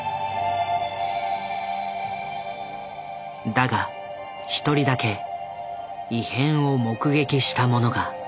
だが１人だけ異変を目撃した者が。